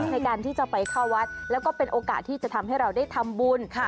ในการที่จะไปเข้าวัดแล้วก็เป็นโอกาสที่จะทำให้เราได้ทำบุญ